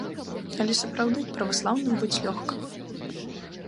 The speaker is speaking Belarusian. Але сапраўды, праваслаўным быць лёгка.